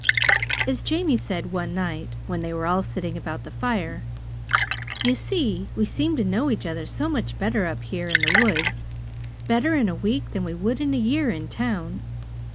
As Jamie said one night, when they were all sitting about the fire: "You see, we seem to know each other so much better up here in the woods better in a week than we would in a year in town."